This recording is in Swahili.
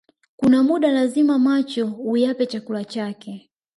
Kuna muda lazima macho uyape chakula chake